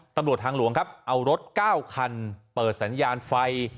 ตำรวจทางหลวงครับเอารถ๙คันเปิดสัญญาณไฟ